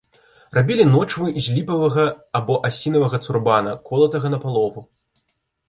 Рабілі ночвы з ліпавага або асінавага цурбана, колатага напалову.